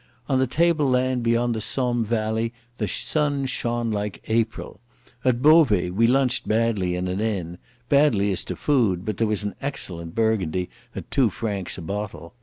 On the tableland beyond the Somme valley the sun shone like April. At Beauvais we lunched badly in an inn—badly as to food, but there was an excellent Burgundy at two francs a bottle.